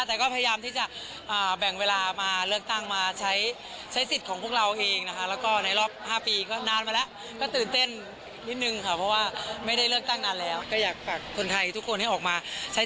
แต่ก็พยายามที่จะแบ่งเวลามาเลือกตั้งมาใช้สิทธิ์ของพวกเราเองนะคะ